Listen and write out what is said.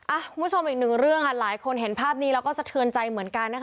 คุณผู้ชมอีกหนึ่งเรื่องค่ะหลายคนเห็นภาพนี้แล้วก็สะเทือนใจเหมือนกันนะคะ